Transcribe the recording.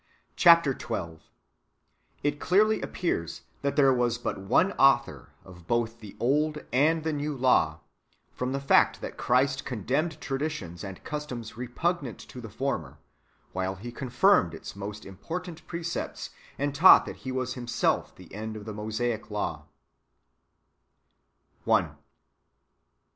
Chap. XII. — It clearly appears that there ivas hut one author of both the old and the new law, from the fact that Christ condemned traditions and customs repugnant to the former^ while He confirmed its most important precepts, and taught that He vms Himself the end of the Mosaic laio. 1.